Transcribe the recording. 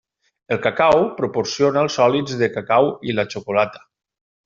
El cacau proporciona els sòlids de cacau i la xocolata.